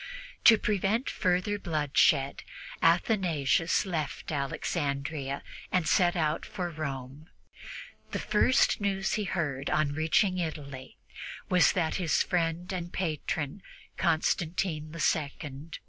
To prevent further bloodshed, Athanasius left Alexandria and set out for Rome. The first news that he heard on reaching Italy was that his friend and patron Constantine II was dead.